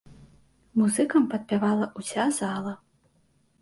Музыкам падпявала ўся зала.